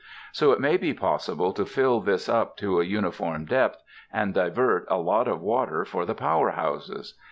So it may be possible to fill this up to a uniform depth, and divert a lot of water for the power houses.